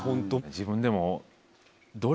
自分でも。